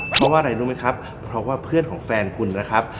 เพราะว่าอะไรรู้ไหมครับเพราะว่าเพื่อนของแฟนคุณนะครับ